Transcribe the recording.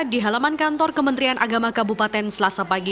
di halaman kantor kementerian agama kabupaten selasa pagi